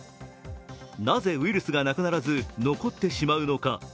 なぜウイルスがなくならず残ってしまうのか。